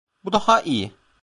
Bu daha iyi.